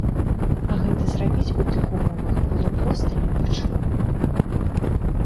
А гэта зрабіць у тых умовах было проста немагчыма.